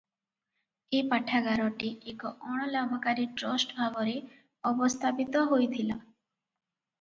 ଏ ପାଠାଗାରଟି ଏକ ଅଣ-ଲାଭକାରୀ ଟ୍ରଷ୍ଟ ଭାବରେ ଅବସ୍ଥାପିତ ହୋଇଥିଲା ।